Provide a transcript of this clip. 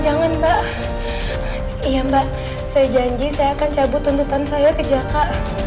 jangan mbak iya mbak saya janji saya akan cabut tuntutan saya ke jaka